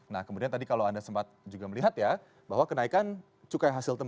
nah kemudian tadi kalau anda sempat juga melihat ya bahwa kenaikan cukai hasil tersebut